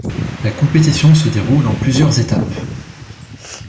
La compétition se déroule en plusieurs étapes.